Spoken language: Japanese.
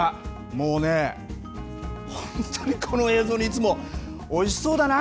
もうね、本当にこの映像にいつも、おいしそうだな。